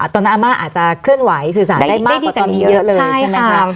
ตอนนั้นอาม่าอาจจะเคลื่อนไหวสื่อสารได้มากกว่านี้เยอะเลยใช่ไหมคะ